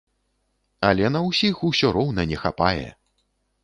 Але на ўсіх усё роўна не хапае!